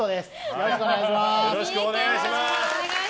よろしくお願いします。